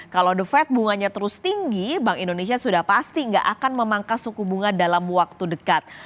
kalau the fed bunganya terus tinggi bank indonesia sudah pasti nggak akan memangkas suku bunga dalam waktu dekat